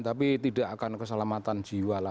tapi tidak akan keselamatan jiwa